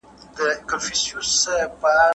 هغوی د جګړې لپاره پلان جوړوي.